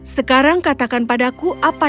sekarang katakan padaku apa yang terjadi